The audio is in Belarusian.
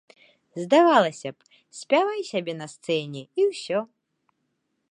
Здавалася б, спявай сабе на сцэне, і ўсё.